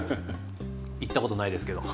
行ったことないですけど。